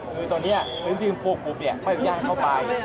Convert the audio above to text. คือตอนนี้นึกถึงพวกเนี่ยเข้าอยู่ย่างเข้าไป